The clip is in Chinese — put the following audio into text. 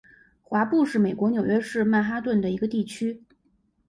华埠是美国纽约市曼哈顿的一个地区。